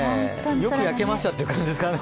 よく焼けましたって感じですかね。